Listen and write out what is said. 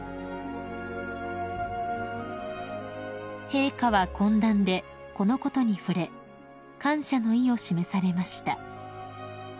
［陛下は懇談でこのことに触れ感謝の意を示されました］